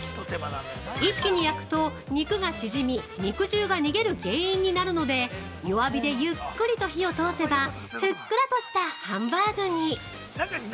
◆一気に焼くと肉が縮み、肉汁が逃げる原因になるので、弱火でゆっくりと火を通せば、ふっくらとしたハンバーグに！